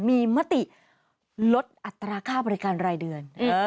มีมติลดอัตราค่าบริการรายเดือน